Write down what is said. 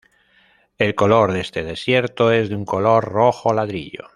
El color de este desierto es de un color rojo ladrillo.